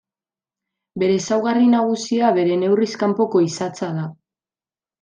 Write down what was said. Bere ezaugarri nagusia bere neurriz kanpoko isatsa da.